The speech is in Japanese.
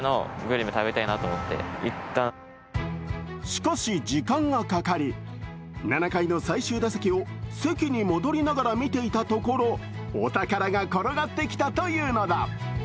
しかし、時間がかかり、７回の最終打席を席に戻りながら見ていたところお宝が転がってきたというのだ。